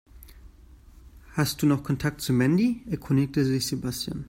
Hast du noch Kontakt zu Mandy?, erkundigte sich Sebastian.